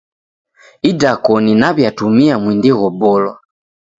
Idakoni naw'iatumia mwindi ghobolwa.